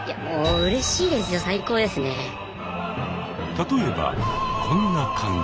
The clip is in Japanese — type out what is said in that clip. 例えばこんな感じ。